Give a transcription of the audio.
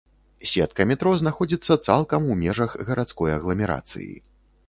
Сетка метро знаходзіцца цалкам у межах гарадской агламерацыі.